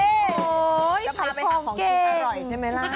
ถ้าคุณผ่านเป็นผลิติออร่อยใช่ไหมครับ